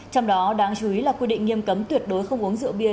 trong đó đáng chú ý là quy định nghiêm cấm tuyệt đối không uống rượu bia